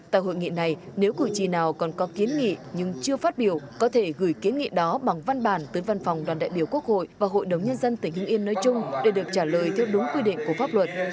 tại hội nghị này nếu cử tri nào còn có kiến nghị nhưng chưa phát biểu có thể gửi kiến nghị đó bằng văn bản tới văn phòng đoàn đại biểu quốc hội và hội đồng nhân dân tỉnh hưng yên nói chung để được trả lời theo đúng quy định của pháp luật